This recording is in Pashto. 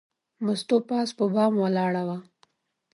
مستو پاس په بام ولاړه وه.